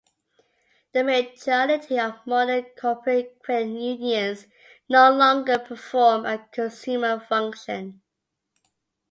The majority of modern corporate credit unions no longer perform a consumer function.